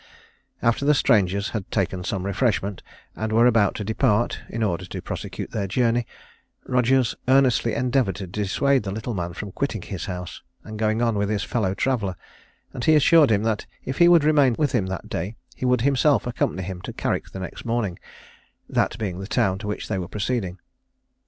After the strangers had taken some refreshment, and were about to depart, in order to prosecute their journey, Rogers earnestly endeavoured to dissuade the little man from quitting his house and going on with his fellow traveller; and he assured him that if he would remain with him that day, he would himself accompany him to Carrick next morning, that being the town to which they were proceeding.